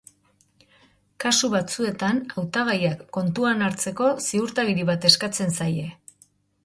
Kasu batzuetan, hautagaiak kontuan hartzeko ziurtagiri bat eskatzen zaie.